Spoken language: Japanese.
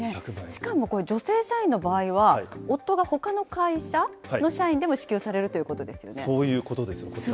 しかもこれ、女性社員の場合は、夫がほかの会社の社員でも支給されるということそういうことです。